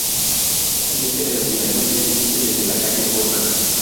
El eje de ventilación es visible desde la Calle Furman.